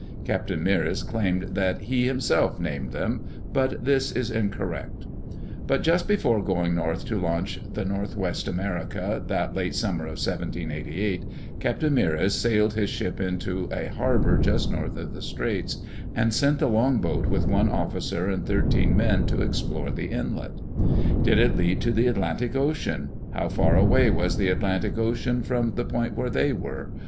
Captain Meares claimed that he himself named them, but this is incorrect But just before going north to launch the Northwest America, that late summer of 1788, Captain Meares sailed his ship into a harbor just north of the Straits, and sent the longboat with one officer and thirteen men to explore the inlet. Did it lead to the Atlantic Ocean? How far away was the Atlantic Ocean from the point where they were?